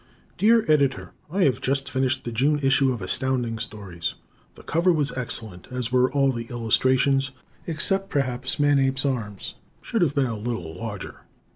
_ Dear Editor: I have just finished the June issue of Astounding Stories. The cover was excellent, as were all the illustrations, except perhaps Manape's arms should have been a little larger.